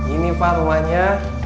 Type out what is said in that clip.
ini pak rumahnya